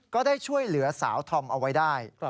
ก็ได้ช่วยเหลือสาวธอมเอาไว้ได้